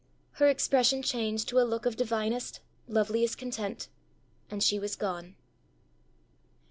Her expression changed to a look of divinest, loveliest content, and she was gone.